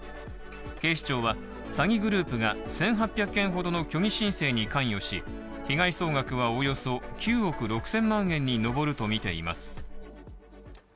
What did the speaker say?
警視庁は詐欺グループが１８００件ほどの虚偽申請に関与し、被害総額はおよそ９億６０００万円に上るとみています。